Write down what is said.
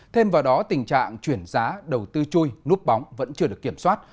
thêm vào đó tình trạng chuyển giá đầu tư chui núp bóng vẫn chưa được kiểm soát